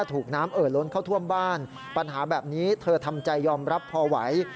ถูกน้ำเอ่อล้นเข้าท่วมบ้านปัญหาแบบนี้เธอทำใจยอมรับพอไหว